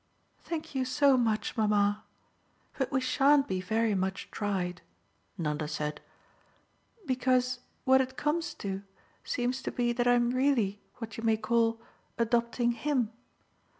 "Thank you so much, mamma. But we shan't be very much tried," Nanda said, "because what it comes to seems to be that I'm really what you may call adopting HIM.